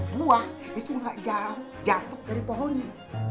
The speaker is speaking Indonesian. gue itu gak jauh jatuh dari pohonnya